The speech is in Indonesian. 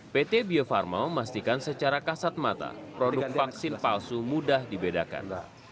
pt bio farma memastikan secara kasat mata produk vaksin palsu mudah dibedakan